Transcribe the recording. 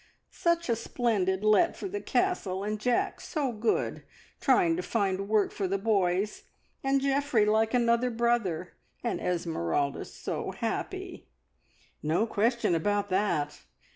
Such a splendid let for the Castle, and Jack so good, trying to find work for the boys, and Geoffrey like another brother, and Esmeralda so happy." No question about that!